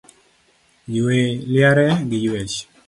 Yue liare gi yuech